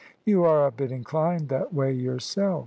You are a bit inclined that way yourself."